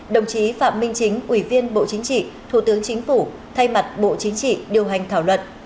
đồng chí phạm minh chính ủy viên bộ chính trị thủ tướng chính phủ thay mặt bộ chính trị điều hành thảo luận